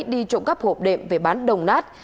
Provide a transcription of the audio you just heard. đi trộm cắp hộp đệm về bán đồng nát